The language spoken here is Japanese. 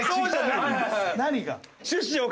何が？